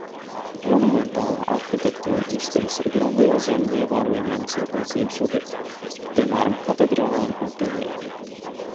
Monumentālā arhitektūra izceļas ar grandioziem un ievērojamiem celtniecības objektiem, piemēram, katedrālēm un pilīm.